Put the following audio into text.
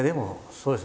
そうです。